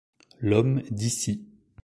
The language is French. L’homme d’ici.